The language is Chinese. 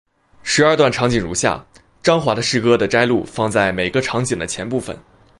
十二段场景如下张华的诗歌的摘录放在每个场景的前部分。